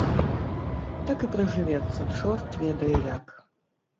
Так і пражывецца чорт ведае як.